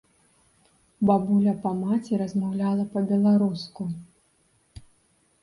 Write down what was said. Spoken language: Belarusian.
Бабуля па маці размаўляла па-беларуску.